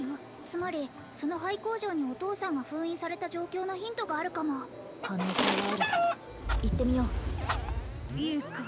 つまりその廃工場にお父さんが封印された状況のヒントがあるかも可能性はある行ってみよう優子